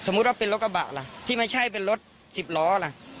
ว่าเป็นรถกระบะล่ะที่ไม่ใช่เป็นรถสิบล้อล่ะ